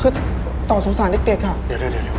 คือต่อสงสารเด็กเด็กอ่ะเดี๋ยวเดี๋ยวเดี๋ยว